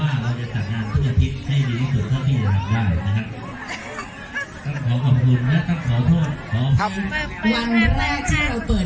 ห้าขอบคุณนะครับขอโทษขอบคุณวันแรกถ้าเราเปิด